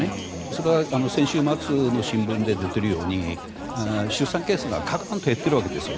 それは先週末の新聞で出ているように出産件数がカクンと減っているわけです。